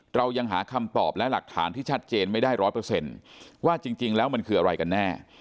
เรายังหาคำตอบและหลักฐานที่ชัดเจนไม่ได้๑๐๐ว่าจริงแล้วมันคืออะไรกันแน่